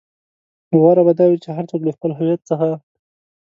غوره به دا وي چې هر څوک له خپل هويت څخه.